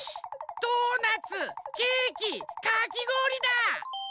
ドーナツケーキかきごおりだ！